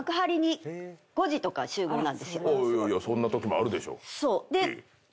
そんなときもあるでしょう。